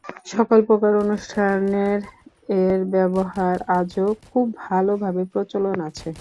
সকল প্রকার অনুষ্ঠানের এর ব্যবহার আজও খুব ভাল ভাবে প্রচলন আছে।